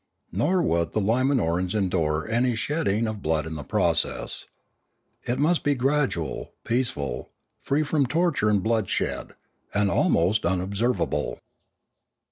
Nor would the Limanorans endure any shedding of blood in the process. It must be gradual, peaceful, free from torture and bloodshed, and almost unobserv able.